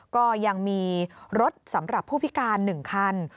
ก็ยังมีรถสำหรับผู้พิการ๑คัน